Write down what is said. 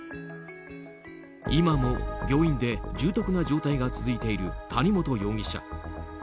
今も病院で重篤な状態が続いている谷本容疑者。